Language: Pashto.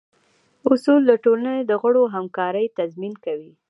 اصول د ټولنې د غړو همکارۍ تضمین کوي.